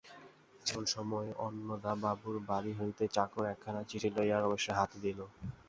এমন সময়ে অন্নদাবাবুর বাড়ি হইতে চাকর একখানি চিঠি লইয়া রমেশের হাতে দিল।